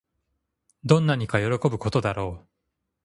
どんなにかよろこぶことだろう